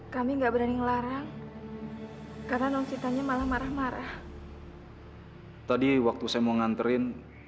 kami nggak berani ngelarang karena non citanya malah marah marah tadi waktu saya mau nganterin